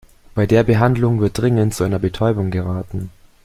Bei der Behandlung wird dringend zu einer Betäubung geraten.